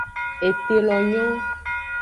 Ete lo nyo.